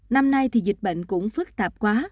năm nay thì dịch bệnh cũng phức tạp quá